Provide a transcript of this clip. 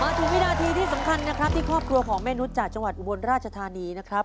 ถึงวินาทีที่สำคัญนะครับที่ครอบครัวของแม่นุษย์จากจังหวัดอุบลราชธานีนะครับ